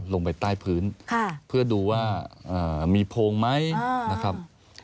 ลงไปใต้พื้นเพื่อดูว่ามีโพงไหมนะครับ